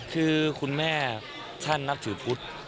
คือคุณแม่ท่านนับถือพุทธ